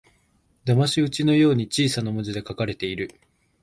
だまし討ちのように小さな文字で書かれている